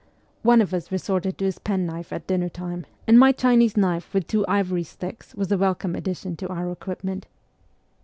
One of us resorted to his penknife at dinner time, and my Chinese SIBERIA 243 knife with two ivory sticks was a welcome addition to our equipment.